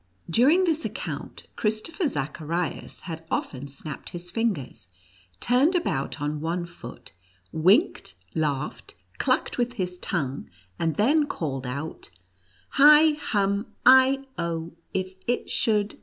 During this account, Christopher Zacharias had often snapped his fingers, turned about on one foot, winked, laughed, clucked with his tongue, and then called out: "Hi — hem — ei — oh !— if it should